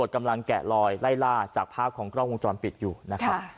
กล้องกล้องกล้องจอมปิดอยู่นะครับ